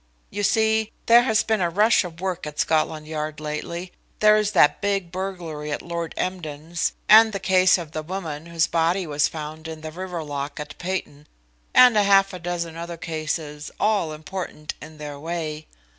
"You see, there has been a rush of work at Scotland Yard lately. There is that big burglary at Lord Emden's, and the case of the woman whose body was found in the river lock at Peyton, and half a dozen other cases, all important in their way.